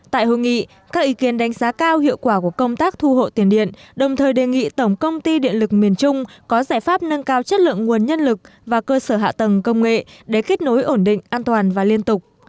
tại hội nghị các ý kiến đánh giá cao hiệu quả của công tác thu hộ tiền điện đồng thời đề nghị tổng công ty điện lực miền trung có giải pháp nâng cao chất lượng nguồn nhân lực và cơ sở hạ tầng công nghệ để kết nối ổn định an toàn và liên tục